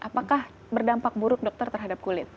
apakah berdampak buruk dokter terhadap kulit